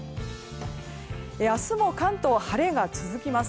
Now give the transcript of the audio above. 明日も関東、晴れが続きます。